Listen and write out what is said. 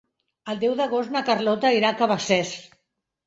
El deu d'agost na Carlota irà a Cabacés.